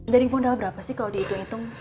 dari modal berapa sih kalau dihitung hitung